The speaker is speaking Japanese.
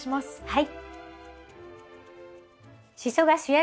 はい。